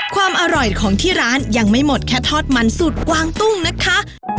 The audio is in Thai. ความอร่อยของที่ร้านยังไม่หมดแค่ทอดมันสูตรกวางตุ้งนะคะ